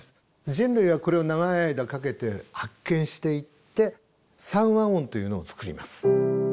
人類はこれを長い間かけて発見していって三和音というのを作ります。